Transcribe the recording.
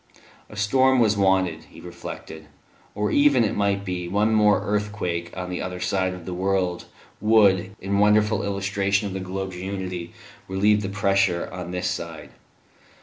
A storm was wanted, he reflected; or even, it might be, one more earthquake on the other side of the world would, in wonderful illustration of the globe's unity, relieve the pressure on this side.